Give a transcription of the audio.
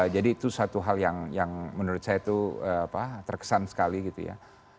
jadi itu satu hal yang menurut saya itu terkesan sekali gitu ya